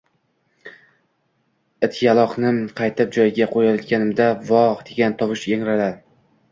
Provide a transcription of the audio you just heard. Ityaloqni qaytib joyiga qo‘yayotganimda, “Vohh!” degan tovush yangradi